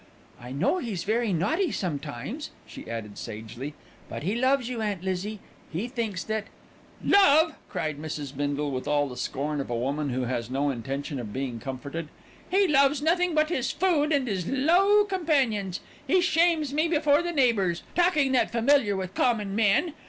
"I know he's very naughty sometimes," she added sagely, "but he loves you, Aunt Lizzie. He thinks that " "Love!" cried Mrs. Bindle with all the scorn of a woman who has no intention of being comforted. "He loves nothing but his food and his low companions. He shames me before the neighbours, talking that familiar with common men.